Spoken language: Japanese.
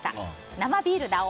生ビールだお。